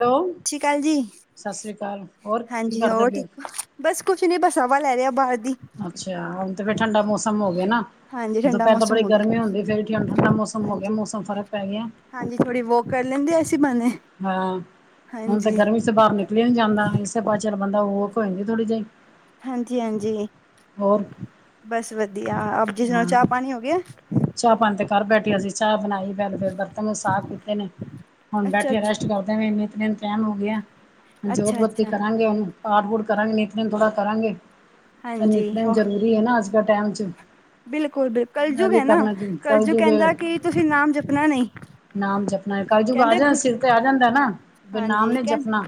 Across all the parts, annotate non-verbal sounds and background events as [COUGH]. Hello ਸਤਿ ਸ੍ਰੀ ਅਕਾਲ ਜੀ ਸਤਿ ਸ੍ਰੀ ਅਕਾਲ ਹੋਰ ਕੀ ਹਾਂਜੀ ਕਰਦੇ ਹੋਰ ਪਏ ਠੀਕ ਹੋ- ਬਸ ਕੁਛ ਨੀ ਬਸ ਹਵਾ ਲੈ ਰਹੇ ਬਾਹਰ ਦੀ ਅਛਾ, ਹੁਣ ਤੇ ਫੇਰ ਠੰਡਾ ਮੌਸਮ ਹੋ ਗਿਆ ਨਾ ਹਾਂਜੀ ਠੰਡਾ ਦੁਪਹਿਰ ਤਾਂ ਮੌਸਮ ਬੜੀ ਹੋ ਗਿਆ ਗਰਮੀ ਹੁੰਦੀ ਫੇਰ ਠੰਡਾ ਠੰਡਾ ਮੌਸਮ ਹੋ ਗਿਆ ਹਾਂਜੀ ਮੌਸਮ ਫਰਕ ਪੈ ਗਿਆ ਹਾਂਜੀ ਥੋੜ੍ਹੀਹੁ ਵੋਕ ਕਰ ਲੈਂਦੇ ਅਸੀ ਹਾਂ, ਹੁਣ ਤੇ ਗਰਮੀ ਸੇ ਬਾਹਰ ਨਿਕਲ ਜਾਂਦਾ ਇਸੇ ਪਜ ਚੱਲ ਜਾਂਦਾ ਬਨਦਾ ਵੋਕ ਹੋ ਜਾਂਦੀ ਥੋੜੀ ਜਿਹੀ [UNINTELLIGIBLE] ਹਾਂਜੀ- ਹਾਂਜੀ, ਹੋਰ ਬਸ ਵਧੀਆ ਆਪ ਜੀ ਦਾ ਹਾਂ ਚਾਹ ਪਾਣੀ ਹੋ ਗਿਆ। ਚਾਹ ਪਾਣੀ ਤੇ ਕਰ ਬੈਠੀ ਅਸੀ ਚਾਹ ਬਣਾਈ ਬੈਲ ਫਿਰ ਬਰਤਨ ਸਾਫ਼ ਕੀਤੇ ਨੇ ਹੁਣ ਅੱਛਾ ਬੈਠੇ ਅੱਛਾ ਅਰੈਸਟ ਕਰਦੇ ਨੇ ਨਿਤ ਨੇਮ ਦਾ ਟਾਈਮ ਹੋ ਗਿਆ ਆ ਜੋਤ ਅੱਛਾ ਬੱਤੀ ਅੱਛਾ ਕਰਾਂਗੇ ਉਹਨੂੰ ਪਾਡ ਵੂਡ ਕਰਾਂਗੇ ਨਿੱਤ ਨੇਮ ਥੋੜ੍ਹਾ ਕਰਾਂਗੇ ਤਾਂ ਹਾਂਜੀ ਨਿਤਨੇਮ ਨੂੰ ਹੋ ਜ਼ਰੂਰੀ ਹੈ ਨਾ ਅਜ ਕਲ ਟਾਈਮ 'ਚ ਬਿਲਕੁਲ ਬਿਲਕੁਲ ਮੈਂ ਕਲਯੁਗ ਵੀ ਹੈ। ਨਾ ਕਰਨਾ ਜੀ ਕਲਯੁਗ ਕਹਿੰਦਾ ਕਿ ਤੁਸੀ ਨਾਮ ਜਪਣਾ ਨਹੀ ਨਾਮ ਜਪਣਾ ਕਲਜੁਗ ਆ ਜਾਂ ਸਿਰ ਤੇ ਆ ਜਾਂਦਾ ਨਾ ਬ ਨਾਮ ਹਾਂਜੀ ਨਹੀ ਕਹਿੰ ਜਪਣਾ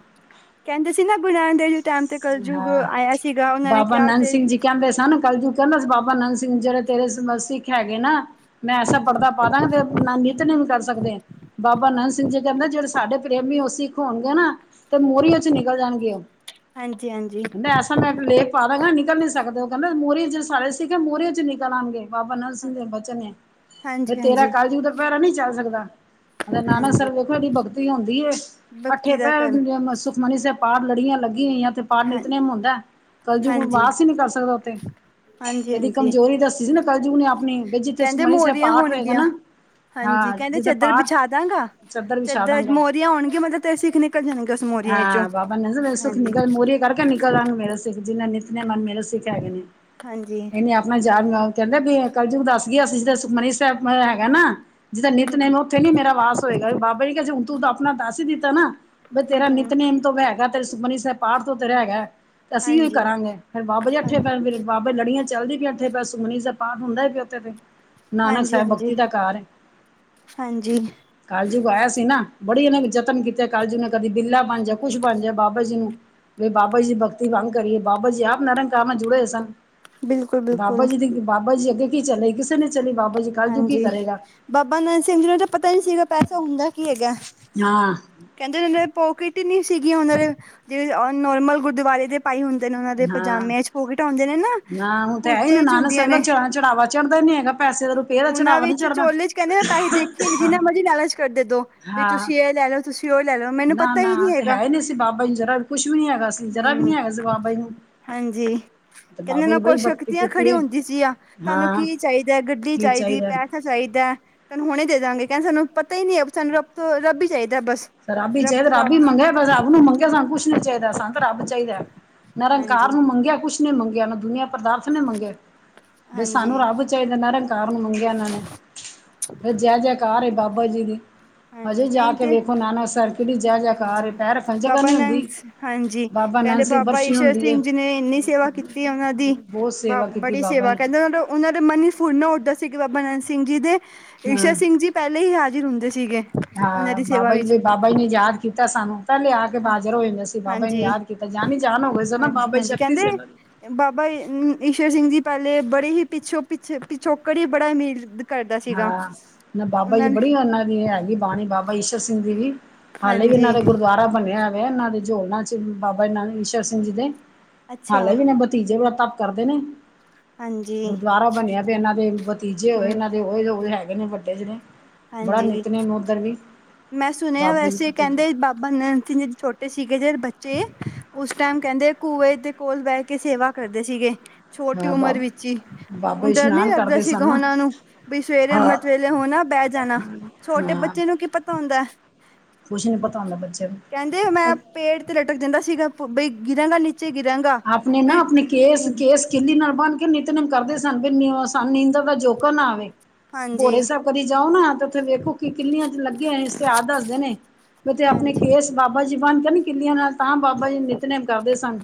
ਕਹਿੰਦੇ ਸੀ ਨਾ ਗੁਰੂ ਨਾਨਕ ਦੇਵ ਜੀ ਟਾਈਮ ਤੇ ਕਲਯੁਗ ਹਾਂ ਆਇਆ ਸੀਗਾ ਉਹਨਾਂ ਨੇ ਬਾਬਾ ਕਿਹਾ ਨੰਦ ਤੇ ਸਿੰਘ ਜੀ ਕਹਿੰਦੇ ਸਨ ਕੱਲਜੂਗ ਕਹਿੰਦਾ ਸੀ ਬਾਬਾ ਨੰਦ ਸਿੰਘ ਜਿਹੜੇ ਤੇਰੇ ਸਿੱਖ ਹੈਗੇ ਨਾ ਮੈਂ ਐਸਾ ਹਾਂਜੀ ਪੜ੍ਹਦਾ ਪਾ ਦਵਾਂਗਾ ਕਿ ਮਨ ਵਿਚ ਉਤਰ ਨਹੀ ਸਕਦੇ ਬਾਬਾ ਅਨੰਦ ਸਿੰਘ ਜੀ ਕਹਿੰਦੇ ਜਿਹੜੇ ਸਾਡੇ ਪ੍ਰੇਮੀ ਉਹ ਸਿੱਖ ਹੋਣਗੇ ਨਾ ਤੇ ਮੋਹਰੀਓ 'ਚ ਨਿਕਲ ਜਾਣਗੇ ਹਾਂਜੀ ਹਾਂਜੀ ਮੈਸ ਮੈਂ ਲੇਪ ਪਾ ਦਵਾਂਗਾ ਨਿਕਲ ਨਹੀ ਸਕਦੇ ਉਹ ਕਹਿੰਦੇ ਮੂਹਰੇ ' ਸਾਰੇ ਸਿੱਖ ਮੂਹਰੇ 'ਚ ਨਿਕਲ ਆਉਣਗੇ ਬਾਬਾ ਨੰਦ ਸਿੰਘ ਦੇ ਬਚਨ ਨੇ, ਹਾਂਜੀ ਤੇਰਾ ਹਾਂਜੀ ਕਲਯੁਗ ਦਾ ਪੈਰਾ ਨਹੀ ਚੱਲ ਸਕਦਾ ਨਾਨਕ ਹਾਂਜੀ ਸਾਹਿਬ ਦੇੇਖੋ ਡੀ ਭਗਤੀ ਹੋਦੀ ਏ ਅੱਠੇ ਬੱਤੀ ਦਾ ਘਰ ਪੈਰ ਸੁਖਮਨੀ ਸਾਹਿਬ ਪਾਰ ਲੜੀਆਂ ਲੱਗੀ ਹੋਈਆਂ ਤੇ ਤਾਂ ਹਾਂ ਨਿਤਨੇਮ ਹੁੰਦਾ ਕਲਯੁਗ ਕੋ ਹਾਂਜੀ ਵਾਸ ਹੀ ਨੀ ਕਰ ਸਕਦਾ ਉਥੇ, ਹਾਂਜੀ ਇਹਦੀ ਹਾਂਜੀ ਕਮਜ਼ੋਰੀ ਦੱਸੀ ਸੀ ਨਾ ਕਲਯੁਗ ਨੇ ਆਪਣੀ, ਫਿਰ ਜਿੱਥੇ ਕਹਿੰਦੇ ਸੁਖਮਨੀ ਸਾਹਿਬ ਮੋਰੀਆਂ ਪਾਠ ਹੋਏਗਾ ਹੋਣਗੀਆਂ ਨਾ- ਹਾਂਜੀ, ਹਾਂ ਕਹਿੰਦੇ ਜਿੱਥੇ ਚਦਰ ਪਾਠ ਵਿਛਾ ਦਵਾਂਗਾ। ਚੱਦਰ ਵਿਛਾ ਚਦਰ ਦਾਂਗਾ। ਮੋਹਰੀਆਂ ਹੋਣਗੀਆਂ ਮਤਲਬ ਤੇਰੇ ਸਿਖ ਨਿਕਲ ਜਾਣਗੇ ਉਸ ਮੋਰੀਆਂ ਚ, ਹਾਂ ਬਾਬਾ ਨੇ ਸੁਖ ਨਿਕਲ ਹਾਂਜੀ। ਮੋਰੀ ਕਰਕੇ ਨਿਕਲ ਆਉਣਗੇ ਮੇਰਾ ਸਿੱਖ ਜਿੰਨਾ ਨਿੱਤਨੇਮ ਮਨ ਮੇਰਾ ਸਿੱਖ ਹੈਗੇ ਨੇ। ਹਾਂਜੀ। ਇਹਨੇ ਆਪਣਾ ਯਾਦ ਨਾਲ ਕਹਿੰਦਾ ਵੀ ਕਲ ਯੁਗ ਦੱਸ ਗਿਆ ਸੀ ਸੁਖਮਨੀ ਸਾਹਿਬ ਮੈਂ ਹੈਗਾ ਨਾ। ਜਿਹਦਾ ਹਮ ਹਮ ਨਿਤਨੇਮ ਉਥੇ ਨਹੀਂ ਮੇਰਾ ਵਾਸ ਹੋਏਗਾ, ਬਾਬਾ ਜੀ ਕਹਿੰਦੇ ਤੂੰ ਆਪਣਾ ਦੱਸ ਹੀ ਦਿੱਤਾ ਨਾ। ਬਈ ਹਮ ਤੇਰਾ ਹਮ ਨਿੱਤਨੇਮ ਤਾਂ ਹੈਗਾ ਤੇਰੇ ਸੁਖਮਨੀ ਸਾਹਿਬ। ਪਾਠ ਤੋਂ ਤੇਰੇ ਹੈਗਾ ਤੇ ਅਸੀਂ ਉਹੀ ਹਾਂਜੀ ਕਰਾਂਗੇ ਫ਼ਿਰ ਬਾਬਾ ਜੀ ਹਾਂ ਇੱਥੇ ਬਹਿਣਗੇ। ਬਾਬੇ ਲੜੀਆਂ- ਚੱਲਦੀ ਪਈ ਏ ਉੱਥੇ, ਬਸ ਸੁਖਮਨੀ ਦਾ ਪਾਠ ਹੁੰਦਾ ਹੀ ਪਿਆ ਉੱਥੇ ਤੇ। ਨਾਨਕ ਹਾਂਜੀ ਸਾਹਿਬ ਹਾਂਜੀ ਭਗਤੀ ਦਾ ਘਰ। ਹਾਂਜੀ ਕਲਯੁਗ ਆਇਆ ਸੀ ਨਾ। ਬੜੇ ਇਹਨੇ ਯਤਨ ਕੀਤੇ ਕਲਯੁਗ ਨੇ। ਕਦੀ ਬਿੱਲਾ ਬਣ ਜਾਣ, ਕੁਛ ਬਣ ਜਾਣ। ਬਾਬਾ ਜੀ ਨੂੰ ਕਿ ਬਾਬਾ ਜੀ ਦੀ ਭਗਤੀ ਭੰਗ ਕਰੀਏ। ਬਾਬਾ ਜੀ ਆਪ ਨਿਰੰਕਾਰ ਨਾਲ ਜੁੜੇ ਹੋਏ ਸਨ। ਬਿਲਕੁਲ ਬਾਬਾ ਬਿਲਕੁਲ ਜੀ ਦੀ, ਬਾਬਾ ਜੀ ਅੱਗੇ ਕੀ ਚਲੇ, ਕਿਸੇ ਦੀ ਨਹੀਂ ਚਲੀ ਬਾਬਾ ਜੀ- ਕੱਲ ਜੂ ਕੀ ਹਾਂਜੀ, ਕਰੇਗਾ ਬਾਬਾ ਨੰਦ ਸਿੰਘ ਜੀ ਨੂੰ ਤਾਂ ਪਤਾ ਨੀ ਸੀਗਾ, ਪੈਸਾ ਹੁੰਦਾ ਕੀ ਹੈਗਾ। ਹਾਂ। ਕਹਿੰਦੇ ਉਹਨਾਂ ਪੋਕਿਟ ਨੀ ਸੀਗੀਆਂ ਉਹਨਾਂ ਦੇ ਜਿਹੜੇ ਨੋਰਮਲ ਗੁਰਦੁਆਰੇ ਦੇ ਪਾਈ ਹੁੰਦੇ ਨੇ ਉਹਨਾਂ ਦੇ ਹਾਂ ਪਜਾਮਿਆਂ 'ਚ ਪੋਕਟਾ ਹੁੰਦੀਆ ਨੇ ਨਾ ਹੁਣ ਤਾਂ ਹੈ ਹੀ ਨਾ ਕੁੜਤਿਆਂ 'ਚ ਨਾਨਕ ਹੁੰਦੀਆਂ ਸਾਹਿਬ ਦਾ ਨੇ ਚ ਚੜਾਵਾ ਚੜਦਾ ਨਹੀ ਹੈਗਾ ਪੈਸੇ ਦਾ ਰ ਉਹਨਾਂ ਵਿੱਚ ਚੋਲੇ 'ਚ ਕਹਿੰਦੇ ਪੈਸੇ ਦੇਖੇ ਨੀ, ਜਿਨਾ ਮਰਜ਼ੀ ਲਾਲਚ - ਘਟ ਦੇਦੋ, ਵੀ ਹਾਂ ਤੁਸੀਂ ਇਹ ਲੈਲੋ, ਤੁਸੀਂ ਉਹ ਲੈ ਲਓ, ਮੈਨੂੰ ਪਤਾ ਹੀ ਨਹੀਂ ਹੈਗਾ। ਬਾਬਾਜੀ ਨ ਜ਼ਰਾ, ਕੁਛ ਵੀ ਨਹੀਂ ਹੈਗਾ ਸੀ। ਜਰਾ ਵੀ ਹੂੰ, ਨੀ ਹੈਗਾ ਸੀ ਬਾਬਾ ਜੀ ਨੂੰ ਹਾਂਜੀ। ਤੇ ਕਹਿੰਦੇ ਬਾਬਾ ਜੀ ਨਾ ਬੜੀ ਕੋਈ ਭਗਤੀ ਸ਼ਕਤੀਆਂ ਕੀਤੀ ਖੜੀ ਹੈ ਹੁੰਦੀ ਸੀਆ, ਤੁਹਾਨੂੰ ਹਾਂ ਕੀ ਚਾਹੀਦਾ, ਗੱਡੀ ਕੀ ਚਾਹੀਦੀ, ਚਾਹੀਦਾ ਪੈਸਾ- ਚਾਹੀਦਾ, ਤੁਹਾਨੂੰ ਹੁਣੇ ਦੇ ਦਾਂਗੇ, ਕਹਿੰਦੇ ਸਾਨੂੰ ਪਤਾ ਹੀ ਨਹੀਂ ਸਾਨੂੰ ਰੱਬ ਤੋਂ, ਰੱਬ ਹੀ ਚਾਹੀਦਾ ਬਸ। ਰੱਬ ਹੀ ਚਾਹੀਦਾ, ਤੋਂ ਰੱਬ ਹੀ ਇਲਾਵਾ ਮੰਗਿਆ ਬਸ। ਰੱਬ ਨੂੰ ਮੰਗਿਆ, ਸਾਨੂੰ ਕੁਝ ਨਹੀਂ ਚਾਹੀ ਸਾਨੂੰ ਤਾਂ ਰੱਬ ਚਾਹੀਦਾ, ਨਿਰੰਕਾਰ ਹਾਂਜੀ ਨੂੰ ਮੰਗਿਆ, ਕੁਛ ਨੀ ਮੰਗਿਆ, ਮੈਂ ਦੁਨੀਆਂ ਪਦਾਰਥ ਨਹੀਂ ਮੰਗੇ, ਹਾਂਜੀ ਸਾਨੂੰ ਰੱਬ ਚਾਹੀਦਾ। ਨਾਰੇ ਨਿਰੰਕਾਰ ਨੂੰ ਮੰਗਿਆ ਇਹਨਾਂ ਨੇ। ਫਿਰ ਜੈ-ਜੈਕਾਰ ਏ ਬਾਬਾ ਜੀ ਦੀ, ਹਜੇ ਹਾਂਜੀ ਨਹੀਂ ਜਾਕੇ ਤੇ ਵੇਖ- ਨਕਸਰ ਹਾਂਜੀ, ਬਾਬਾ ਨੰਸ। ਹਾਂਜੀ, ਬਾਬਾ ਨੰਦ ਕਹਿੰਦੇ ਸਿੰਘ ਬਾਬਾ ਬਰਸ਼ੀ ਈਸ਼ਰ ਹੁੰਦੀ ਏ ਸਿੰਘ ਜੀ ਨੇ ਇੰਨੀ ਸੇਵਾ ਕੀਤੀ ਉਹਨਾਂ ਦੀ, ਬਹੁਤ ਬ, ਸੇਵਾ ਕੀਤੀ ਬੜੀ ਬਾਬਾ ਸੇਵਾ, ਜੀ ਕਹਿੰਦੇ ਓਹਨਾ ਉਹਨਾਂ ਦੇ ਮਨ ਈ ਫੁਰਨਾ ਉੱਠਦਾ ਸੀ, ਕਿ ਬਾਬਾ ਨੰਦ ਸਿੰਘ ਜੀ ਦੇ ਹਾਂ ਈਸ਼ਰ ਸਿੰਘ ਜੀ ਪਹਿਲੇ ਹੀ ਹਾਜ਼ਰ ਹੁੰਦੇ ਸੀਗੇ, ਉਹਨਾਂ ਹਾਂ ਦੀ ਸੇਵਾ ਬਾਬਾ ਵਿੱਚ। ਜੀ ਬਾਬਾ ਜੀ ਨੇ ਯਾਦ ਕੀਤਾ ਸਾਨੂੰ ਤਾਂ ਲਿਆ ਕੇ ਹਾਂ ਹਾਜਰ ਹੋ ਗਏ ਸੀ, ਬਾਬਾ ਜੀ ਨੇ ਹਾਂਜੀ ਯਾਦ ਕੀਤਾ ਜਾਣੀ-ਜਾਨ ਹੋ ਗਏ ਸੀ ਨਾ, ਹਾਂਜੀ ਬਾਬਾ ਹਾਂਜੀ ਸ਼ਕਤੀ ਕਹਿੰਦੇ ਸੀ ਉਹਨਾਂ ਦੀ। ਬਾਬਾ ਈਸ਼ਰ ਸਿੰਘ ਜੀ ਪਹਿਲੇ, ਬੜੇ ਹੀ ਪਿੱਛੋਂ, ਪਿੱਛ, ਪਿਛੋਕੜ ਹੀ ਬੜਾ ਅਮੀਰ ਕਰਦਾ ਸੀਗਾ ਹਾਂ, ਨਾ ਬਾਬਾ ਜੀ ਉਹਨਾਂ ਨੇ ਬੜੀ ਉਹਨਾਂ ਦੀ ਹੈਗੀ ਬਾਣੀ, ਬਾਬਾ ਈਸ਼ਰ ਸਿੰਘ ਦੀ ਵੀ। ਹਾਲੇ ਵੀ ਹਾਂਜੀ ਇਹਨਾਂ ਦਾ ਗੁਰਦੁਆਰਾ ਬਣਿਆ ਵੇ, ਓਹਨਾਂ ਦੇ ਝੋ ਨਾ'ਚ, ਬਾਬਾ ਦੇ ਨਾ ਈਸ਼ਰ ਸਿੰਘ ਜੀ ਦੇ। ਅੱਛਾ ਹਾਲੇ ਵੀ, ਨਾ ਦੇ ਭਤੀਜੇ ਬੜਾ ਤਪ ਕਰਦੇ ਨੇ। ਹਾਂਜੀ ਗੁਰਦੁਆਰਾ ਬਣਿਆ ਪਇਆ, ਇਹਨਾਂ ਦੇ ਭਤੀਜੇ ਹਮ ਹੋਏ, ਇਹਨਾ ਤੇ ਓ ਲੋਗ ਹੈਗੇ ਨੇ ਵੱਡੇ ਜੇ ਨੇ, ਬੜਾ ਹਾਂਜੀ ਨਿੱਤਨੇਮ ਉਧਰ ਵੀ। ਮੈਂ ਸੁਨਿਆ ਬਾਬਾ ਜੀ ਵੈਸੇ, ਪਤੀ ਕਹਿੰਦੇ ਬਾਬਾ ਨੰਦ ਸਿੰਘ ਜਦ ਛੋਟੇ ਸੀਗੇ ਜਿਹੜੇ ਬੱਚੇ, ਉਸ ਟਾਈਮ ਕਹਿੰਦੇ ਕੁੂਏ ਦੇ ਕੋਲ ਬਹਿਕੇ ਸੇਵਾ ਕਰਦੇ ਸੀਗੇ। ਛੋਟੀ ਹਾਂ ਉਮਰ ਬਾਬ ਵਿੱਚ ਹੀ, ਬਾਬਾ ਜੀ ਉਨ ਡਰ ਨਹੀਂ ਇਸ਼ਨਾਨ ਲੱਗਦਾ ਕਰਦੇ ਸੀਗਾ ਸਨ ਨਾ ਉਹਨਾਂ ਨੂੰ ਬਈ ਸਵੇਰੇ - ਹਾਂ ਤਵੇਲੇ ਹੋਣਾ ਬਹਿ ਜਾਣਾ, ਛੋਟੇ ਬੱਚੇ ਨੂੰ ਕੀ ਪ ਕੁਛ ਨੀ ਪਤਾ ਹੁੰਦਾ, ਬੱਚਿਆਂ ਨੂੰ। ਕਹਿੰਦੇ ਮੈਂ ਪੇੜ ਤੇ ਲਟਕ ਜਾਂਦਾ ਸੀਗਾ, ਬਈ ਗਿਰਾਂਗਾ ਨੀ ਚੇ ਗਿਰਾਂਗਾ ਬਈ, ਨੀਂਦ ਚਿੱਲੀ ਨਾਲ ਬੰਨਕੇ ਨਿੱਤਨੇਮ ਕਰਦੇ ਸਨ, ਵੀ ਸੂੰ ਨੀਂਦਰ ਦਾ ਝੋਕਾ ਨਾ ਆਵੇ ਹਾਂਜੀ ਭੋਰੇ ਸਾਹਿਬ ਕਦੀ ਜਾਓ ਨਾ, ਤੇ ਉੱਥੇ ਵੇਖੋ ਕਿ ਕਿੰਨੀਂਆਂ'ਚ ਲੱਗੇ ਹੋਏ, ਸੀਹਾਤ ਦੱਸਦੇ ਨੇ। ਓ ਤੇ ਆਪਣੇ ਹਾਂਜੀ ਕੇਸ ਬਾਬਾ ਜੀ ਬੰਨਕੇ ਨੀ ਕਿੱਲੀਆ ਨਾਲ, ਤਾਂ ਬਾਬਾ ਜੀ ਨਿਤਨੇਮ ਕਰਦੇ ਸਨ।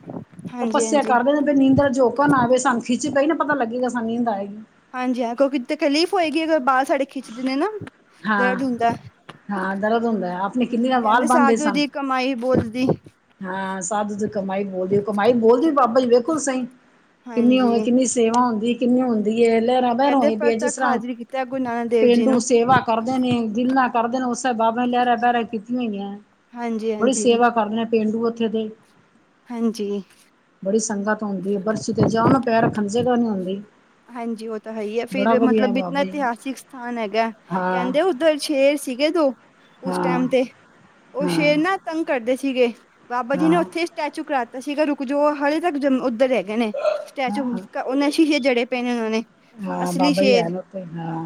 ਹਾਂਜੀ ਤਪੱਸਿਆ ਹਾਂਜੀ ਕਰਦੇ ਨੇ ਵੀ ਨੀਂਦਰ ਝੋਕਾ ਨਾ ਆਵੇ। ਸਾਨੂੰ ਖਿੱਚ ਪਈ ਨਾ, ਪਤਾ ਲੱਗੇਗਾ ਸਾਨੂੰ‌ ਨੀਂਦ ਆਏਗੀ। ਹਾਂਜੀ, ਹਾਂ, ਕਿਉਂਕਿ ਤਕਲੀਫ਼ ਹੋਏਗੀ ਅਗਰ ਬਾਲ‌ ਸਾਡੇ ਖਿੱਚਦੇ ਨੇ ਨਾ, ਹਾਂ ਦਰਦ‌ ਹੁੰਦਾ। ਹਾਂ, ਦਰਦ ਹੁੰਦਾ। ਆਪਣੇ ਕਿੰਨੇ ਨਾਲ ਵਾਲ ਕਹਿੰਦੇ ਬਣਦੇ ਸਾਧੂ ਸਨ। ਦੀ ਕਮਾਈ ਬੋਲਦੀ ਹਾਂ ਸਾਧੂ ਦੀ ਕਮਾਈ ਬੋਲਦੀ ਏ, ਕਮਾਈ ਬੋਲਦੀ ਬਾਬਾ ਜੀ ਵੇਖੋ ਤਾਂ ਸਹੀ। ਕਿੰਨੀ ਹਾਂਜੀ ਹੋਵੇਂ ਕਿੰਨੀ ਸੇਵਾ ਹੁੰਦੀ ਏ, ਕਿੰਨੀ ਹੁੰਦੀ ਏ, ਲਹਿਰਾਂ-ਬੇਂਰਾਂ ਕਹਿੰਦੇ ਹੋਈ ਪਈਆਂ ਜਿਸ ਪ੍ਰਤੱਖ ਤਰ੍ਹਾਂ ਹਾਜ਼ਰੀ ਕੀਤਾ ਗੁਰੂ ਨਾਨਕ ਦੇਵ ਜੀ ਪੇਂਡੂ ਨੂੰ ਸੇਵਾ ਕਰਦੇ ਨੇ, ਗਿਲਾਂ ਕਰਦੇ ਨੇ, ਉਸੇ ਬਾਬੇ ਲਹਿਰਾਂ-ਬੈਰਾ ਕੀਤੀਆਂ ਹੋਈਆਂ। ਹਾਂਜੀ ਬੜੀ ਹਾਂਜੀ ਸੇਵਾ ਕਰਦੇ ਪੇਂਡੂ ਉੱਥੇ ਦੇ। ਹਾਂਜੀ। ਬੜੀ ਸੰਗਤ ਹੁੰਦੀ ਏ, ਬਰਸ਼ੀ ਤੇ‌ ਜਾਓ ਨਾ, ਪੈਰ ਰੱਖਣ ਨੁੰ ਜਗ੍ਹਾ ਨਹੀਂ ਹੋਂਦੀ। ਹਾਂਜੀ, ਉਹ ਤੋ ਹੈਹੀ ਏ, ਫਿਰ‌ ਮਤਲਬ ਇਤਨਾ ਇਤਿਹਾਸੀਕ ਸਥਾਨ ਹੈਗਾ ਹਾਂ ਕਹਿੰਦੇ ਉਧਰ ਸ਼ੇਰ ਸੀਗੇ ਦੋ, ਉਸ ਹਾਂ ਟਾਈਮ ਤੇ। ਉਹ ਹਾਂ ਸ਼ੇਰ ਨਾ ਤੰਗ ਕਰਦੇ ਸੀਗੇ ਬਾਬਾ ਜੀ ਹਾਂ ਨੇ ਉੱਥੇ ਸਟੈਚੂ ਕਰਾਤਾ ਸੀਗਾ, ਰੁਕਜੋ। ਹਲੇੇ ਤੱਕ ਜਮ ਉੱਧਰ ਹੈਗੇ ਨੇ। ਸਟੈਚੂ, ਹਾਂ ਉਹ ਨਾ ਸ਼ੀਸ਼ੇ ਜੜੇ ਪਏ ਨੇ, ਉਹਨਾਂ ਨੇ। ਹਾਂ, ਅਸਲੀ ਬਾਬਾ ਜੀ ਸ਼ੇਰ ਹੈਨ ਉੱਥੇ, ਹਾਂ।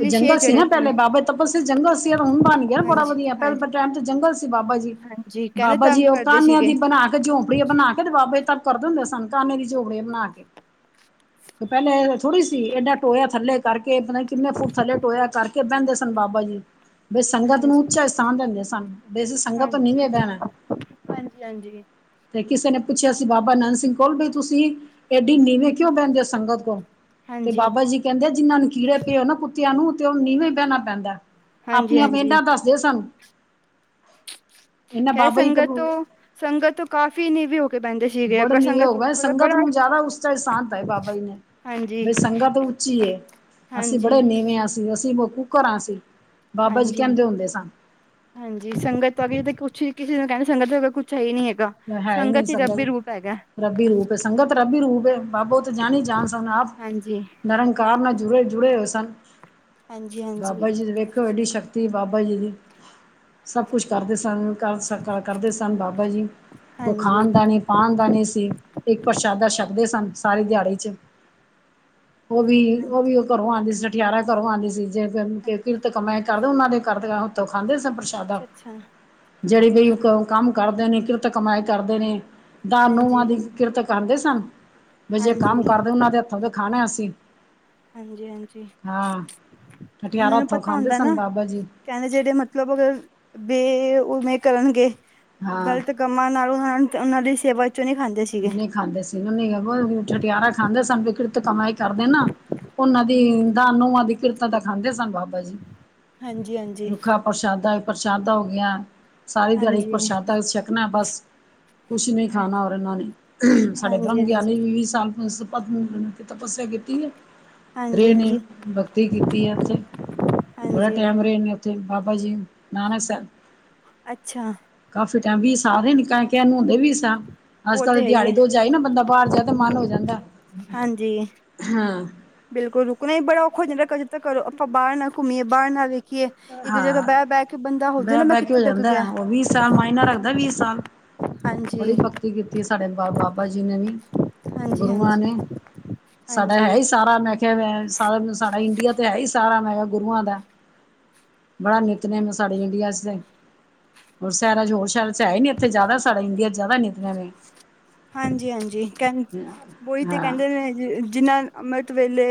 ਉਹ ਸ਼ੇਰ ਜੰਗਲ ਸੀ ਜੜੇ ਨਾ ਪਏ ਨੇ ਪਹਿਲੇ, ਬਾਬੇ ਤਪਸਵੀ ਜੰਗਲ ਸੀ, ਰੂਮ ਬਣਗਿਆ ਨਾ ਬੜਾ ਹਾਂਜੀ ਵਧੀਆ। ਹਾਂ ਪਹਿਲੇ ਟਾਈਮ ਤੇ ਜੰਗਲ ਸੀ ਬਾਬਾ ਜੀ, ਹਾਂਜੀ ਕਹਿੰਦੇ ਬਾਬਾ ਤੰਗ ਜੀ ਉਹ ਕਰਦੇ ਕ੍ਹਾਂਨਿਆਂ ਸੀਗੇ ਦੀ ਬਣਾ ਝੋਪੜੀਆ ਬਣਾਕੇ ਤੇ ਬਾਬੇ ਤਪ ਕਰਦੇ ਹੁੰਦੇ ਸਨ। ਕ੍ਹਾੰਨੇ ਦੀਆ ਝੋਪੜੀਆ ਬਣਾਕੇ। ਤੇ ਪਹਿਲੇ ਥੋੜ੍ਹੀ ਸੀ, ਏਡਾ ਟੋਇਆ ਥੱਲੇ ਕਰਕੇ ਕਿੰਨੇ ਫੁੱਟ ਥੱਲੇ ਟੋਇਆ ਕਰਕੇ ਬਹਿੰਦੇ ਸਨ ਬਾਬਾਜੀ। ਬਈ ਸੰਗਤ ਨੂੰ ਹਾਂਜੀ ਉੱਚਾ ਸਥਾਨ ਦਿੰਦੇ ਸਨ ਬਈ ਅਸੀਂ ਸੰਗਤ ਤੋ ਨੀਵੇਂ ਬਹਿਣਾ। ਹਾਂਜੀ-ਹਾਂਜੀ। ਤੇ ਕਿਸੇ ਨੇ ਪੁੱਛਿਆ ਸੀ ਬਾਬਾ ਨੰਦ ਸਿੰਘ ਕੋਲ ਬਈ ਤੁਸੀਂ ਏਡੀ ਨੀਵੇਂ ਕਿਉਂ ਬਹਿੰਦੇ ਹੋ ਸੰਗਤ ਤੋ ਤੇ ਹਾਂਜੀ ਬਾਬਾ ਜੀ ਕਹਿੰਦੇ ਜਿਹਨ੍ਹਾਂ ਨੂੰ ਕੀੜੇ ਪਏ ਹੋਏ ਨਾ ਕੁੱਤਿਆਂ ਨੂੰ ਤੇ ਉਨ੍ਹਾਂ ਨੂੰ ਨੀਵੇ ਬਹਿਣਾ ਪੈਂਦਾ। ਹਾਂਜੀ ਆਪਣਿਆਂ ਹਾਂਜੀ ਖੇਡਾਂ ਦੱਸਦੇ ਸਨ ਇਹਨਾਂ ਖੈਰ ਬਾਬਾ ਜੀ ਤੇ ਸੰਗਤ ਤੋਂ ਸੰਗਤ ਤੋਂ ਕਾਫ਼ੀ ਨੀਵੇ ਹੋ ਕੇ ਬਹਿੰਦੇ ਸੀਗੇ ਬੜ ਅਗਰ ਨਿਵੇ ਸੰਗਤ ਹੋਵੈ ਉੱਪਰ ਸੰਗਤ ਬੜਾ ਨੂੰ ਜ਼ਿਆਦਾ ਉੱਚਾ ਸਥਾਨ ਦਿੱਤਾ ਸੀ ਬਾਬਾ ਜੀ ਨੇ। ਹਾਂਜੀ ਬਈ ਸੰਗਤ ਉੱਚੀ ਏ ਅਸੀਂ ਹਾਂਜੀ ਬੜੇ ਨੀਵੇਂ ਆ ਅਸੀ-ਅਸੀਂ। ਘਰਾਂ ਸੀ ਬਾਬਾਜੀ ਹਾਂਜੀ ਕਹਿੰਦੇ ਹੁੰਦੇ ਸਨ। ਹਾਂਜੀ ਸੰਗਤ ਵਗ ਜਿੱਦ ਕੁਛ੍ ਕਿਸੇ ਨੂੰ ਕਹਿਣਾ ਸੰਗਤ ਕੁਛ ਹੈ ਹੀ ਨੀ ਹੈਗਾ ਸੰਗਤ ਹੀ ਰੱਬੀ ਰੂਪ ਹੈਗਾ। ਰੱਬੀ ਰੂਪ ਏ। ਸੰਗਤ ਰੱਬੀ ਰੂਪ ਏ। ਬਾਾਬਾ ਉਹ ਤਾਂ ਜਾਣੀ-ਜਾਣ ਸਣ ਆਪ। ਹਾਂਜੀ। ਨਿਰੰਕਾਰ ਨਾਲ ਜੁੜੇ ਜੁੜੇ ਹੋਏ ਸਨ ਹਾਂਜੀ ਹਾਂਜੀ ਬਾਬਾ ਜੀ ਵੇਖੇ ਹੋਏ ਐਡੀ ਸ਼ਕਤੀ ਬਾਬਾਜੀ ਦੀ ਸਭ ਕੁਛ ਕਰਦੇ ਸਨ ਆਦਰ ਸਤਿਕਾਰ ਕਰਦੇ ਸਨ ਬਾਬਾ ਜੀ। ਕੋਈ ਹਾਂਜੀ ਹਾਂਜੀ ਖਾਣ ਦਾ ਨੀ ਪਾਣ ਦਾ ਨੀ ਸੀ। ਇੱਕ ਪ੍ਰਸ਼ਾਦਾ ਛੱਕਦੇ ਸਨ ਸਾਰੀ ਦਿਹਾੜੀ ਚ ਉਹ ਵੀ ਉਹ ਵੀ ਉਹ ਕਰੋਂ ਆਂਦੀ ਸੀ। ਠਠਿਆਰਾਂ ਦੇ ਘੱਰੋ ਆਂਦੀ ਸੀ ਜੇ ਕਿਰਤ ਕਮੈ ਕਰਦੇ ਉਹਨਾਂ ਦੇ ਘਰੋ ਖਾਂਦੇ ਹੱਥੋਂ‌ ਖਾਂਦੇ ਸਨ ਪ੍ਰਸ਼ਾਦਾ। ਅੱਛਾ ਅੱਛਾ ਜਿਹੜੇ ਬਈ ਉਹ ਕੰਮ‌ ਕਰਦੇ ਨੇ ਕਿਰਤ ਕਮਾਾਈ ਕਰਦੇ ਨੇ ਦਾਨੂਹਾਂ ਹਾਂਜੀ ਦੀ ਕਿਰਤ ਕਰਦੇ ਸਨ। ਵੀ ਜੇ ਕੰਮ ਹਾਂਜੀ ਕਰਦੇ ਉਹਨਾਂ ਦੇ ਹੱਥੋਂ ਤੇ ਖਾਣਾ ਅਸੀਂ। ਹਾਂਜੀ-ਹਾਂਜੀ ਹਾਂ ਉਹਨਾਂ ਠਠਿਆਰਾਂ ਨੂੰ ਹੱਥੋਂ ਪਤਾ ਖਾਂਦੇ ਹੁੰਦਾ ਸਨ ਨਾ ਬਾਬਾ ਜੀ ਕਹਿੰਦੇ ਜਿਹੜੇ ਮਤਲਬ ਅਗਰ ਬੇ ਉਵੇਂ ਕਰਨਗੇ ਹਾਂ ਗ਼ਲਤ ਕੰਮਾਂ ਨਾਲੋਂ ਉਹਨਾਂ ਦੀ ਸੇਵਾ ਚੋਂ ਨਹੀਂ ਖਾਂਦੇ। ਸੀਗੇ ਨਹੀ ਖਾਂਦੇ ਸਨ ਠਟਿਆਰਾਂ ਖਾਂਦੇ ਸਨ ਸੋ ਕਿਰਤ ਕਮਾਈ ਕਰਦੇ ਨਾ ਉਹਨਾਂ ਦੀ ਦਾ ਨੂੰਆ ਦੀ ਕਿਰਤਾਂ ਦਾ ਖਾਂਦੇ ਸਨ ਬਾਬਾ ਜੀ। ਹਾਂਜੀ-ਹਾਂਜੀ। ਪ੍ਰਸ਼ਾਦਾ-ਪ੍ਰਸ਼ਾਦਾ ਹੋ ਗਿਆ ਸਾਰੀ ਦਿਹਾੜੀ ਹਾਂਜੀ ਪ੍ਰਸ਼ਾਦਾ ਛਕਣਾ ਬਸ। ਕੁਛ ਨੀ ਖਾਣਾ ਔਰ ਇਹਨਾਂ ਨੇ ਸਾਡੇ ਬ੍ਰਹਮ ਹਾਂਜੀ ਹਾਂਜੀ ਗਿਆਨੀ ਵੀ ਵੀਹ ਸਾਲ ਸੀਤਪ ਤਪੱਸਿਆ ਕੀਤੀ ਏ। ਹਾਂਜੀ ਰੇ ਨੀ ਹਾਂਜੀ ਨੌਕਰੀ ਕੀਤੀ ਹੈ ਔਥੇ ਬੜਾ ਹਾਂਜੀ ਟੈਮ ਰੇ ਨੇ ਓੱਥੇ ਬਾਾਬਾ ਜੀ ਨਾਨਕ ਸੈਬ ਅੱਛਾ। ਕਾਫੀ ਟੈਮ ਵੀ ਸਾਲ ਵੀ‌ ਸਾਲ ਕਹਿਣ ਨੂੰ ਹੁੰਦੇ ਵੀ ਸਾ ਅੱਜ- ਉਹ ਕੱਲ੍ਹ ਤੇ ਹੈ ਹੀ ਦਿਹਾੜੀ ਹੈ ਦੋ ਜਾਈ ਨਾ ਬੰਦਾ ਬਾਹਰ ਜਾ ਤਾਂ ਮਨ ਹੋ ਜਾਂਦਾ। ਹਾਂਜੀ। ਹਾਂ। ਬਿਲਕੁਲ ਰੁਕਣਾ ਹੀ ਬੜਾ ਔਖਾ ਹੋ ਜਾਂਦਾ ਕਦੀ ਤਾਂ ਕਰੋ ਆਪਾਂ ਬਾਹਰ ਨਾ ਘੁੰਮੀਏ ਬਾਹਰ ਨਾ ਵੇਖ। ਹਾਂ ਜਾਏ ਨਾ ਮੈਂ ਬਹਿ-ਬਹਿ ਕੇ ਹੋ ਕਿੱਥੇ ਟਕ ਜਾਂਦਾ ਗਿਆ ਉਹ ਵੀਹ ਸਾਲ ਮਾਇਨਾ ਰੱਖਦਾ ਵੀਹ ਸਾਲ। ਹਾਂਜੀ ਬੜੀ ਭਗਤੀ ਕੀਤੀ ਸਾਡੇ ਬਾਬਾ ਜੀ ਨੇ ਵੀ ਹਾਂਜੀ ਗੁਰੂਆਂ ਹਾਂਜੀ ਨੇ। ਸਾਡਾ ਹੈ ਹਾਂਜੀ ਹੀ ਸਾਰਾ ਮੈਂ ਕਿਹਾ ਸਾਰਾ ਸਾਡਾ ਇੰਡੀਆ ਤੇ ਹੈ ਹੀ ਸਾਰਾ ਮੈਂ ਕਿਹਾ ਗੁਰੂਆਂ ਦਾ। ਬੜਾ ਨਿੱਤਨੇਮ ਸਾਡੇ ਇੰਡੀਆ ਚ ਤੇ ਹੋ ਸਹਿਰਾ ਚ ਹੋਰ ਸ਼ਹਿਰਾਂ ਚ ਹੈ ਨੀ ਇੱਥੇਿ ਜਿਆਦਾ ਨੇ ਸਾਡੇ ਇੰਡੀਆ ਚ ਜ਼ਿਆਦਾ ਨੇ ਐਵੇਂ ਹਾਂਜੀ-ਹਾਂਜੀ ਕਹ ਔਈ ਤੇ ਕਹਿੰਦੇ ਨੇ ਜਿਨਾ ਅੰਮ੍ਰਿਤ ਵੇਲੇ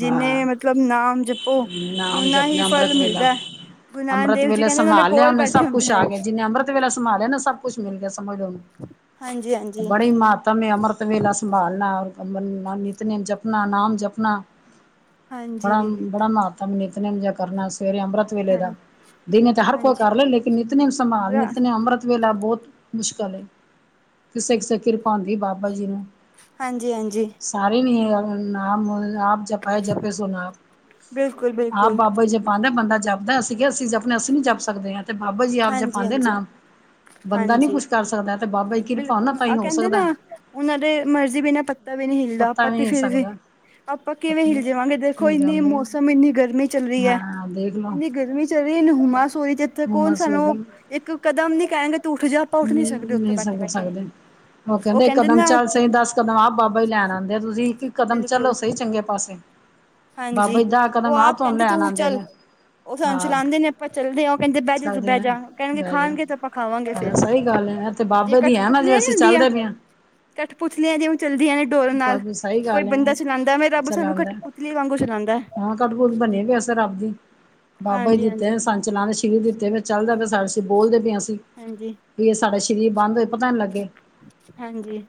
ਜਿੰਨੇ ਮਤਲਬ ਨਾਮ ਜਪੋ ਨਾਮ ਓਨਾ ਹੀ ਜਪਨਾ ਅੰਮ੍ਰਿਤ ਫਲ ਵੇਲਾ ਮਿਲਦਾ। ਗੁਰੂ ਨਾਨਕ ਅੰਮ੍ਰਿਤ ਦੇਵ ਜੀ ਵੇਲੇ ਕਹਿੰਦੇੇ ਉਨ੍ਹਾਂ ਦੇ ਕੋਲ ਬੈਠੇ ਹੁੰਦੇ ਨੇ। ਅਮ੍ਰਿਤ ਵੇਲਾ। ਸੰਭਾਲਿਆ ਨਾ‌ ਸਭ ਕੁੱਛ ਮਿਲ ਗਿਆ ਸਮਝ ਲੋ ਹਾਂਜੀ ਹਾਂਜੀ ਬੜੀ ਮਾਹਤਾ ਨੇ ਅਮ੍ਰਿਤ ਵੇਲਾ ਸੰਭਾਲਣਾ ਔਰ ਕੰ ਨਿਤਨੇਮ ਜਪਣਾ ਨਾਮ ਜਪਣਾ ਬੜਾ ਹਾਂਜੀ ਬੜਾ ਮਾਤਮ ਏ ਨਿੱਤਨੇਮ ਕਰਨਾ ਸਵੇਰੇ ਅੰਮ੍ਰਿਤ ਵੇਲੇ ਹਾਂ ਦਾ ਦਿਨੇ ਤਾਂ ਹਰ ਕੋਈ ਕਰ ਹਾਂਜੀ ਲੈ ਲੇਕਿਨ ਨਿੱਤਨੇਮ ਸੰਭਾਲ ਨਿੱਤਨ ਅੰਮ੍ਰਿਤਵੇਲਾ ਬਹੁਤ ਮੁਸ਼ਕਲ ਏ, ਕਿਸੇ-ਕਿਸੇ ਕਿਰਪਾ ਆਂਦੀ ਬਾਬਾ ਜੀ ਨੂੰ। ਹਾਂਜੀ- ਹਾਂਜੀ। ਸਾਰੇ ਨਹੀਂ ਐ, ਨਾਮ ਆਪ ਜਪ ਆਏ, ਜਪੇ ਸੋ ਨਾਮ, ਬਿਲਕੁਲ ਆਪ ਬਿਲਕੁਲ ਬਾਬਾ ਕੋ ਜੇ ਪਾਂਦਾ ਬੰਦਾ ਜਪਦਾ, ਅਸੀਂ ਕਿਹਾ ਅਸੀਂ ਜਪਣੇ ਆ, ਅਸੀਂ ਨੀ ਜਪ ਸਕਦੇ ਹਾਂ। ਤੇ ਬਾਬਾ ਜੀ ਆਪ ਹਾਂਜੀ ਜਪਾਂਦੇ ਹਾਂਜੀ ਨਾਮ, ਬੰਦਾ ਨੀ ਹਾਂਜੀ ਕੁੱਛ ਕਰ ਸਕਦਾ। ਤੇ ਬਾਬਾ ਜੀ ਕਿਰਪਾ ਹੋਣਾ ਬਿਲਕੁਲ ਤਾਂ ਆਹ ਹੀ ਹੋ ਕਹਿੰਦੇ ਨਾ, ਸਕਦਾ ਉਹਨਾਂ ਦੇ ਮਰਜ਼ੀ ਬਿਨਾਂ ਪੱਤਾ ਵੀ ਨਹੀਂ ਹਿਲਦਾ, ਪਤਾ ਆਪਾਂ ਤੇ ਨਹੀਂ ਫਿਰ ਵੀ ਸਕਦਾ ਆਪਾਂ ਕਿਵੇਂ ਹਿਲ ਜਾਵਾਂਗੇ, ਦੇਖੋ ਹੋ ਇੰਨੀ ਜਾਓਗੇ ਮੌਸਮ, ਇੰਨੀ ਗਰਮੀ ਚੱਲ ਰਹੀ ਏ, ਹਾਂ ਦੇਖ ਲਓ ਇੰਨੀ ਗਰਮੀ ਚਰੀ ਨਹਮਾ ਸੋਰੀ ਜਿੱਥੇ ਕੌਣ ਹੁਮਸ ਸਾਨੂੰ, ਹੋਏਗੀ ਇੱਕ ਕਦਮ ਨੀ ਕਹਿਣਗੇ ਤੇ ਉੱਠ ਜਾ, ਆਪਾਂ ਉੱਠ ਨੀ ਸਕਦੇ। ਉੱਥੇ ਨਹੀਂ ਬੈਠੇ ਸਮਝ ਬੈਠੇ ਸਕਦੇ। ਉਹ ਕਹਿੰਦੇ ਕਦਮ ਚੱਲ ਸਹੀ, ਦਸ ਕਦਮ ਆਪ ਬਾਬਾ ਹੀ ਲੈਣ ਆਂਦੇ, ਤੁਸੀਂ ਇਕ ਕਦਮ ਚੱਲੋ ਬਿਲਕੁਲ ਸਹੀ। ਚੰਗੇ ਪਾਸੇ, ਬਾਬਾ ਹਾਂਜੀ ਦਾ ਉਹ ਕਦਮ ਆਪ ਤੁਹਾਨੂੰ ਕਹਿੰਦੇ ਲੈਣ ਤੂੰ ਆਂਦੇ ਚੱਲ ਨੇ। ਉਹ ਸਾਨੂੰ ਹਾਂ ਚਲਾਂਦੇ ਨੇ, ਆਪਾਂ ਚੱਲਦੇ ਆ, ਉਹ ਕਹਿੰਦੇ ਬਹਿ ਜਾ ਚੱਲਦੇ ਬਹਿ ਆ ਜਾ, ਕਹਿਣਗੇ ਬਹਿ ਜਾ ਖਾਣਗੇ ਤੇ ਆਪਾਂ ਖਾਵਾਂਗੇ ਫੇਰ। ਹਾਂ ਸਹੀ ਗੱਲ ਹੈ ਤੇ ਜੇ ਬਾਬੇ ਦੀ ਹੈ ਨਾ ਜੇ ਕਠਪੁਤਲੀਆਂ ਨੀ ਅਸੀਂ ਹੁੰਦੀਆਂ। ਚੱਲਦੇ ਪਏ ਹਾਂ ਕਠਪੁਤਲੀਆਂ ਜਿਵੇਂ ਚਲਦੀਆਂ ਨੇ ਡੋਰਾਂ ਨਾਲ, ਬਾਬੇ ਸਹੀ ਕੋਈ ਗੱਲ ਹੈ ਬੰਦਾ ਚਲਾਂਦਾ, ਉਵੇਂ ਰੱਬ ਸਾਨੂੰ ਚਲਾਉਂਦਾ ਕਠ [INAUDIBLE] ਹਾਂ ਕਠਪੁਤਲੀ ਤਾਂ ਨੀ ਵੈਸੇ ਰੱਬ ਦੀ, ਬਾਬਾ ਜੀ ਹਾਂਜੀ ਹਾਂਜੀ ਦਿੱਤੇ ਸੰਚ ਲਾਂ ਠੀਕ ਦਿੱਤੇ ਫੈ ਚੱਲਦਾ ਪਿਆ ਸਾਂਹ ਅਸੀਂ, ਬੋਲਦੇ ਪਏ ਆਂ ਅਸੀਂ। ਹਾਂਜੀ। ਵੀ ਸਾਡਾ ਸਰੀਰ ਬੰਦ ਹੋਏ, ਪਤਾ ਨਾ ਲੱਗੇ। ਹਾਂਜੀ,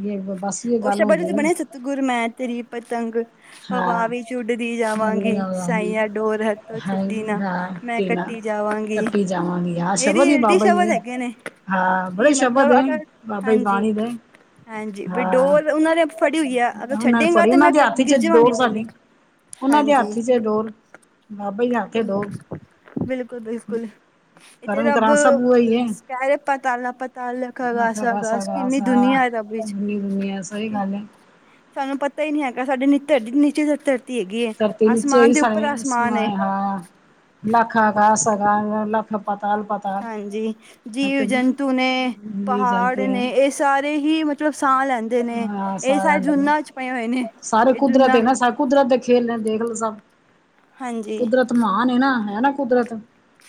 ਵੀ ਬਸ ਵੀ ਇਹ ਉਹ ਗੱਲ ਸ਼ਬਦ ਹੁੰਦੀ ਹੈ ਤੇ ਨਾ ਬਣਿਆ, ਸਤਿਗੁਰ ਮੈਂ ਤੇਰੀ ਪਤੰਗ ਹਾਂ ਹਵਾ ਵਿੱਚ ਉੱਡਦੀ ਜਾਵਾਂਗੀ, ਸਾਈਆਂ ਡੋਰ ਹੱਥੋਂ ਹਾਂ ਛੱਡੀ ਨਾ। ਹਾਂ ਮੈਂ ਟੀਨਾ ਕੱਟੀ ਜਾਵਾਂਗੀ, ਕੱਟੀ ਜਾਵਾਂਗੀ ਆਹ ਇਹ ਸ਼ਬਦ ਹੀ ਰੀਐਲਟੀ ਬਾਬਾ ਜੀ ਸ਼ਬਦ ਦੇ ਹੈਗੇ ਨੇ। ਹਾਂ, ਬਹੁ ਕਿ ਸ਼ਬਦ ਮਤਲਬ ਏ। ਅਗਰ ਹਾਂਜੀ- ਹਾਂਜੀ, ਵੀ ਹਾਂ ਡੋਰ ਉਹਨਾਂ ਦੇ ਫੜੀ ਹੋਈ ਆ, ਅਗਰ ਉਹਨਾਂ ਨੇ ਛੱਡੇਗਾ ਫੜੀ ਤੇ ਉਹਨਾਂ ਮੈਂ ਦੇ ਕ ਹੱਥ ਚ ਗਿਰ ਜਾਂਵਾਂਗੀ ਡੋਰ ਥੱਲੇ। ਸਾਡੀ ਉਹਨਾਂ ਦੇ ਹਾਂਜੀ, ਹੱਥ ਚ ਡੋਰ ਬਾਬਾ ਜੀ ਦੇ ਹੱਥ ਚ ਡੋਰ ਬਿਲਕੁਲ- ਬਿਲਕੁਲ। ਇਹ ਤੇ ਕਰਨ ਰੱਬ ਕਰਾਨ ਸਭ ਉਹੀ ਹੈ ਕਹਿ ਰਾ ਪਤਾਲਾ ਪਤਾਲ, ਲੱਖ ਅਗਾਸ। ਆਖਾ ਅ ਖਾਸਾ ਦੱਸ ਕਿੰਨੀ ਖਾਸਾ ਦੁਨੀਆਂ ਐ ਰੱਬ ਵਿੱਚ, ਦੁਨੀਆ ਸਹੀ ਠੀਕ ਐ। ਗੱਲ ਹੈ ਸਾਨੂੰ ਪਤਾ ਹੀ ਨਹੀਂ ਹੈਗਾ, ਸਾਡੇ ਨਿੱਤਰ ਨੀਚੇ ਧ ਧ ਧਰਤੀ ਨੀਚੇ ਹੀ ਸਾਰਿਆਂ ਨੂੰ ਏ ਸਮਾਇਆ ਹੋਇਆ। ਲੱਖਾਂ ਆਗਾਂਹਾਂ, ਲੱਖ ਪਾਤਾਲਾਂ। ਹਾਂਜੀ, ਜੀਵ-ਜੰਤੂ ਨੇ, ਪਹਾੜ ਨੇ, ਇਸ ਸਾਰੇ ਹੀ ਮਤਲਬ ਸਾਹ ਲੈਂਦੇ ਨੇ, ਇਹ ਸਾਰੇ ਜੂਨਾਂ ਚ ਪਏ ਹੋਏ ਨੇ, ਇਹ ਜੂਨਾਂ ਕੁਦਰਤ ਦੇ ਖੇਲ ਨੇ, ਦੇਖ ਲੋ ਸਭ। ਹਾਂਜੀ। ਮਹਾਨ ਹੈ ਨਾ, ਹੈ ਨਾ ਕੁਦਰਤ।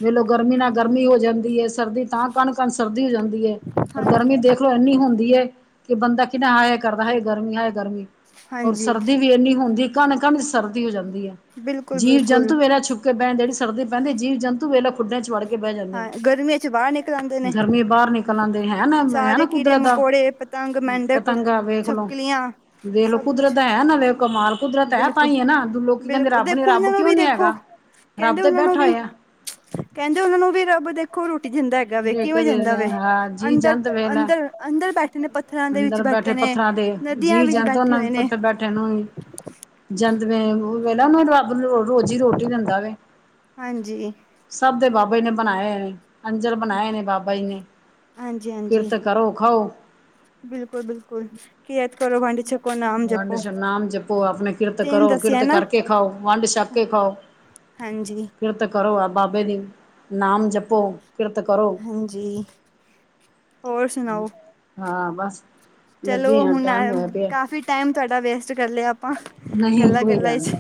ਵੇਲੋ ਗਰਮੀ ਨਾਲ ਗਰਮੀ ਹੋ ਜਾਂਦੀ ਏ, ਸਰਦੀ ਤਾਂ ਕਣ- ਕਣ ਸਰਦੀ ਹੋ ਜਾਂਦੀ ਰ ਹਾਂਜੀ ਗਰਮੀ ਦੇਖਲੋ ਇੰਨੀ ਹੁੰਦੀ ਐ, ਕਿ ਬੰਦਾ ਕਿੰਨਾ ਹਾਏ ਕਰਦਾ ਹਾਏ ਗਰਮੀ, ਹਾਏ ਗਰਮੀ। ਔਰ ਹਾਂਜੀ ਸਰਦੀ ਵੀ ਇੰਨੀ ਹੁੰਦੀ ਏ, ਕਣ- ਕਣ ਚ ਸਰਦੀ ਹੋ ਜਾਂਦੀ ਐ, ਬਿਲਕੁਲ ਜੀਵ- ਬਿਲਕੁਲ ਜੰਤੂ ਮੇਰਾ ਛੁੱਕ ਸੁੱਕੇ ਪਏ ਆ, ਜਿਹੜੀ ਸਰਦੀ ਪੈਂਦੀ ਐ, ਜੀਵ- ਜੰਤੂ ਤੇ ਵੇਲਾ ਖੁੱਡਿਆਂ ਚ ਵੜ ਕੇ ਬਹਿ ਜਾਂਦੇ ਐ, ਹਾਂ ਗਰਮੀਆਂ ਚ ਬਾਹਰ ਨਿਕਲ ਆਂਦੇ ਨੇ ਗਰਮੀ ਬਾਹਰ ਨਿਕਲ ਆਂਦੇ ਹੈ ਨਾ, ਹੈ ਨਾ। ਸਾਰੇ ਕੀੜੇ- ਕੁਦਰਤ ਦਾ ਮਕੌੜੇ, ਪਤੰਗ ਮੈਂਡੇ ਪਤੰਗਾ ਵੇਖਲੋ, ਵੇਖਲੋ ਸਭ ਕੁਛ ਕੁਦਰਤ ਹੈ ਨਾ, ਵੇਖੋ ਕਮਾਲ। ਕੁਦਰਤ ਹੈ ਬਿਲਕੁਲ ਤਾਂਈ ਹੈ ਨਾ, ਦੋ ਲੋਕੀ ਕਹਿੰਦੇ ਬਿਲਕੁਲ ਰੱਬ ਨੀ, ਦੇਖੋ ਉਹਨਾਂ ਰੱਬ ਨੂੰ ਕਿਉਂ ਵੀ ਨੀ ਦੇਖੋ ਹੈਗਾ, ਰੱਬ ਕਹਿੰਦੇ ਤੇ ਉਹਨਾਂ ਨੂੰ ਬੈਠਾ ਵੀ ਹੋਇਆ। ਕਹਿੰਦੇ ਉਹਨਾਂ ਨੂੰ ਵੀ ਰੱਬ ਦੇਖੋ ਰੋਟੀ ਜਾਂਦਾ ਹੈਗਾ ਵੇ, ਜੇ ਕਿਵੇਂ ਕਦੇ ਦਿੰਦਾ ਵੇ ਹਾਂ ਜੀ ਅੰਦਰ- ਜੰਤ ਵੇਖ ਲੈ ਅੰਦਰ ਅੰਦਰ ਬੈਠੇ ਨੇ। ਪੱਥਰਾਂ ਦੇ ਵਿੱਚ ਅੰਦਰ ਬੈਠੇ ਨੇ ਪੱਥਰਾਂ ਦੇ ਨਦੀਆਂ ਜੀਅ ਵਿੱਚ ਜੰਤ, ਬੈਠੇ ਉਹਨਾਂ ਹੋਏ ਪੱਥਰ ਨੇ ਬੈਠੇ ਬੈਠਿਆਂ ਨੂੰ ਵੀ, ਜੰਤ ਵੇਲਾ ਉਹ ਵੇਲਾ ਉਹ ਨਾ ਰੱਬ ਸ ਰੋਜ਼ੀ ਰੋਟੀ ਦਿੰਦਾ ਵੇ, ਹਾਂਜੀ ਸਭ ਦੇ ਬਾਬੇ ਨੇ ਬਣਾਇਆ ਏ। ਅੰਜਰ ਬਣਾਏ ਨੇ ਬਾਬਾ ਜੀ ਨੇ, ਕਿਰਤ ਕਰੋ ਖਾਓ। ਬਿਲਕੁਲ-ਬਿਲਕੁਲ, ਕੀ ਐਤ ਕਰੋ ਭਾਂਡੇ ਚ ਵੰਡ ਛਕੋ ਨਾਮ ਜਪੋ ਆਪਣੇ ਕਿਰਤ ਤਿੰਨ ਕਰੋ ਕਿਰਤ ਦੱਸਿਆ ਨਾ ਕਰਕੇ ਖਾਓ ਵੰਡ ਛਪ ਕੇ ਖਾਓ। ਹਾਂਜੀ ਕਿਰਤ ਕਰੋ ਆ ਬਾਬੇ ਦੀ ਨਾਮ ਜਪੋ। ਕਿਰਤ ਕਰੋ ਹਾਂਜੀ ਹੋਰ ਸੁਣਾਓ ਹਾਂ ਬਸ। ਲੱਗੇ ਚਲੋ ਆ ਹੁਣ ਟਾਈਮ ਹੋਇਆ ਪਿਆ ਕਾਫ਼ੀ। ਟਾਈਮ ਤੁਹਾਡਾ ਵੇਸਟ ਕਰ ਲਿਆ ਆਪਾਂ ਨਹੀਂ ਗੱਲਾਂ ਕੋਈ ਗੱਲਾਂ ਗੱਲ ਚ। ਨੀ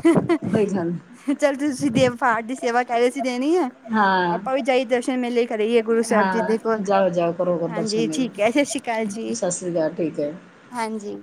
ਕੋਈ ਗੱਲ ਨੀ ਚੱਲ ਤੁਸੀਂ ਦੇਵ ਫਾਟ ਦੀ ਸੇਵਾ ਕਹਿ ਰਹੇ ਸੀ ਦੇਣੀ ਹੈ। ਹਾਂ ਆਪਾਂ ਵੀ ਜਾਈ ਦਰਸ਼ਨ ਮੇਲੇ ਕਰਾਈਏ ਗੁਰੂ ਸਾਹਿਬ ਜੀ ਦੇ ਹਾਂ ਕੋਲ ਜਾਓ ਜਾਓ ਕਰੋ ਦਰਸ਼ਨ ਹਾਂਜੀ ਮੇਰੇ ਠੀਕ ਹੈ ਅੱਛਾ ਸਤਿ ਸ੍ਰੀ ਅਕਾਲ। ਸਤਿ ਸ੍ਰੀ ਅਕਾਲ ਜੀ। ਸਤਿ ਸ਼੍ਰੀ ਅਕਾਲ, ਠੀਕ ਹੈ। ਹਾਂਜੀ